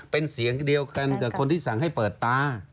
เป็นเสียงเดียวกันกับคนที่สั่งให้เปิดตา